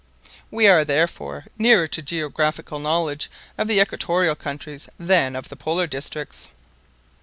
We are, therefore, nearer to geographical knowledge of the equatorial countries than of the Polar districts."